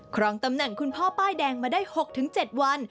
ครองตำแหน่งคุณพ่อป้ายแดงมาได้๖๗วัน